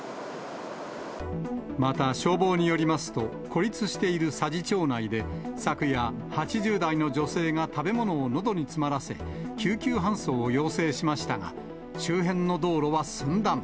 また、消防によりますと、孤立している佐治町内で、昨夜、８０代の女性が食べ物をのどに詰まらせ、救急搬送を要請しましたが、周辺の道路は寸断。